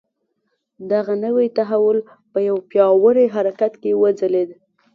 دغه نوی تحول په یوه پیاوړي حرکت کې وځلېد.